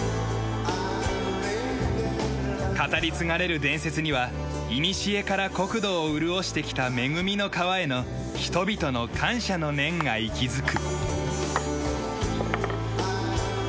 語り継がれる伝説にはいにしえから国土を潤してきた恵みの川への人々の感謝の念が息づく。